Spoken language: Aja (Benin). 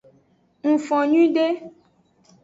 Ngfon nyuiede.